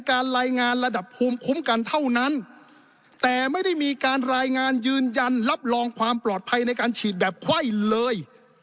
ท่านประธานรับรองความปลอดภัยในการฉีดแบบไขว้เลย